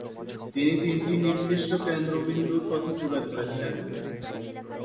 তিনি তিনটি নির্দিষ্ট কেন্দ্রবিন্দুর কথা তুলে ধরেছেন -